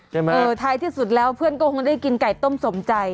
เออท้ายที่สุดแล้วเพื่อนก็คงได้กินไก่ต้มสมใจ